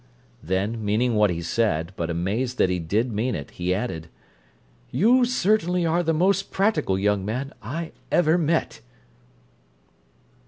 Then, meaning what he said, but amazed that he did mean it, he added: "You certainly are the most practical young man I ever met!"